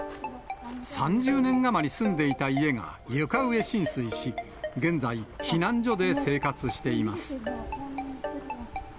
３０年余り住んでいた家が床上浸水し、現在、避難所で生活しています。